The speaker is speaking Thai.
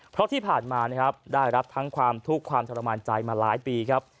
เพราะที่ผ่านมานะครับได้รับทั้งความทุกข์ความทรมานใจมาหลายปีครับ